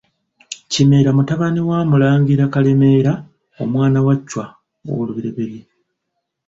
KIMERA mutabani wa Mulangira Kalemeera omwana wa Chwa I.